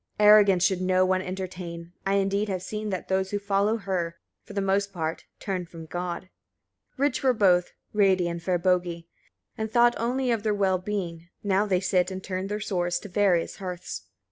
15. Arrogance should no one entertain: I indeed have seen that those who follow her, for the most part, turn from God. 16. Rich were both, Radey and Vebogi, and thought only of their well being; now they sit and turn their sores to various hearths.